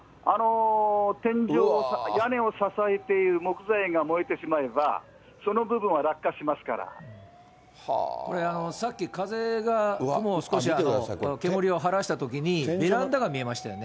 天井、屋根を支えている木材が燃えてしまえば、その部分は落下しますかこれ、さっき風がもう少し、煙をはらしたときに、ベランダが見えましたよね。